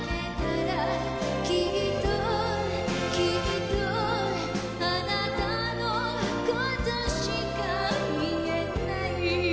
「きっときっとあなたのことしかみえない」